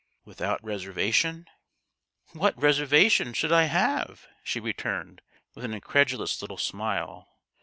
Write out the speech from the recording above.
" Without reservation ?" "What reservation should I have?" she returned, with an incredulous little smile.